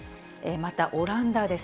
またオランダです。